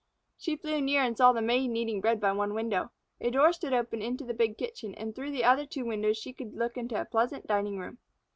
She flew near and saw the Maid kneading bread by one window. A door stood open into the big kitchen, and through two other windows she could look into a pleasant dining room.